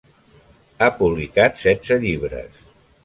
Ha publicat setze llibres.